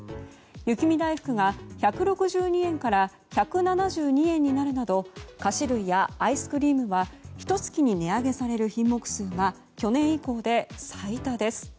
雪見だいふくが１６２円から１７２円になるなど菓子類やアイスクリームはひと月に値上げされる品目数は去年以降で最多です。